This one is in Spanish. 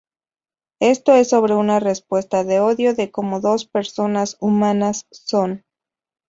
Esto es sobre una respuesta de odio de como dos personas humanas son".